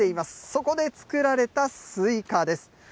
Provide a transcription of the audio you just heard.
そこで作られたスイカです。